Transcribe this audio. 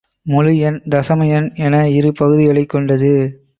முழு எண், தசம எண் என இரு பகுதிகளைக் கொண்டது.